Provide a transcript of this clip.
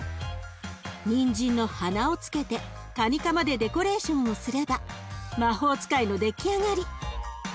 にんじんの鼻をつけてカニカマでデコレーションをすれば魔法使いの出来上がり。